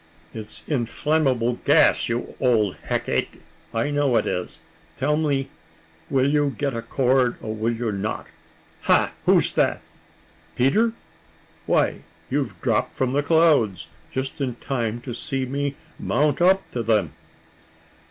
"It's inflammable gas, you old hecate! I know it is. Tell me will you get a cord, or will you not? Hah! who's that Peter? Why you've dropped from the clouds, just in time to see me mount up to them."